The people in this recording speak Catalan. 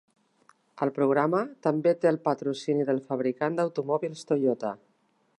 El programa també té el patrocini del fabricant d'automòbils Toyota.